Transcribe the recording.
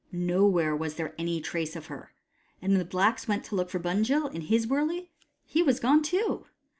Nowhere was there any trace of her. And when the blacks went to look for Bunjil, in his wurley, he was gone, too.